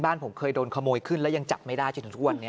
ผมเคยโดนขโมยขึ้นแล้วยังจับไม่ได้จนถึงทุกวันนี้